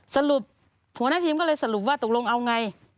สรุปหัวหน้าทีมก็เลยสรุปว่าตกลงเอาไง